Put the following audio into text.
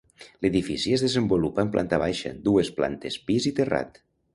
L'edifici es desenvolupa en planta baixa, dues plantes pis i terrat.